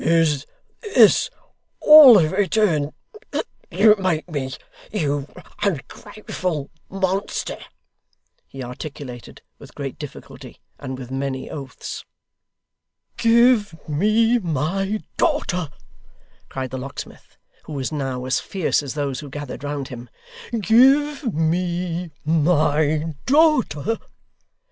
'Is this all the return you make me, you ungrateful monster?' he articulated with great difficulty, and with many oaths. 'Give me my daughter!' cried the locksmith, who was now as fierce as those who gathered round him: 'Give me my daughter!